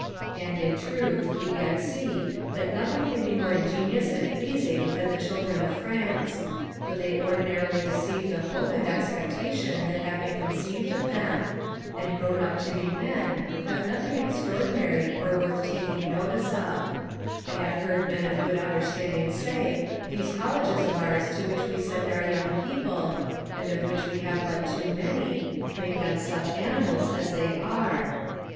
And, in truth, we yet see, that nothing can be more ingenious and pleasing than the children of France; but they ordinarily deceive the hope and expectation that have been conceived of them; and grown up to be men, have nothing extraordinary or worth taking notice of: I have heard men of good understanding say, these colleges of ours to which we send our young people (and of which we have but too many) make them such animals as they are.